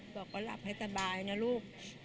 บอกว่าหลับให้สบายนะลูก